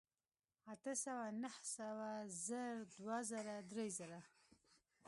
اتۀ سوه نهه سوه زر دوه زره درې زره